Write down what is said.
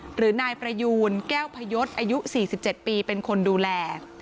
หรือนายประยูนแก้วพยธอายุสี่สิบเจ็ดปีเป็นคนดูแล